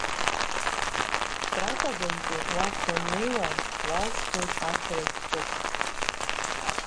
Краковнтәи уахь уаннеиуа, уалсуеит ақалақь ҿыц…